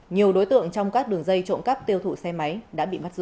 nhiều đối tượng trong các đường dây trộm cắp tiêu thụ xe máy đã bị bắt giữ